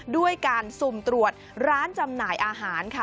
ด้วยการสุ่มตรวจร้านจำหน่ายอาหารค่ะ